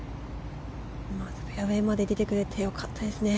フェアウェーまで出てくれて良かったですね。